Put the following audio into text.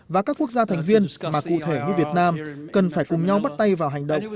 và các quốc gia thành viên mà cụ thể như việt nam cần phải cùng nhau bắt tay vào hành động